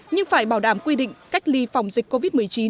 nhưng phải bảo đảm quy định cách ly phòng dịch covid một mươi chín